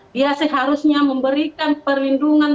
dia seharusnya memberikan perlindungan